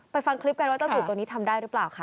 ฟังคลิปกันว่าเจ้าตูบตัวนี้ทำได้หรือเปล่าค่ะ